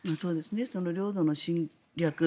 領土の侵略。